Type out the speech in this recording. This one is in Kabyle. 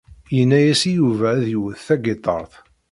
Yenna-as i Yuba ad iwet tagiṭart.